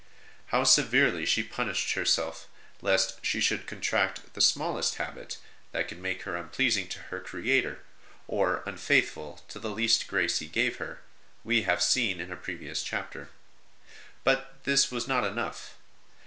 How severely she punished herself lest she should contract the smallest habit that could 80 ST. ROSE OF LIMA make her unpleasing to her Creator, or unfaithful to the least grace He gave her, we have seen in a previous chapter ; but this was not enough.